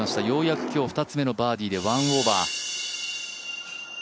ようやく今日２つめのバーディーで１オーバー。